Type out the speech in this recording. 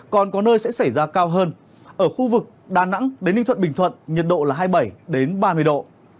còn có nơi sẽ xảy ra cao hơn ở khu vực đà nẵng đến ninh thuận bình thuận nhiệt độ là hai mươi bảy ba mươi độ